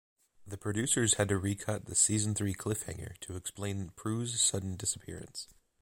The producers had to re-cut the season three cliffhanger to explain Prue's sudden disappearance.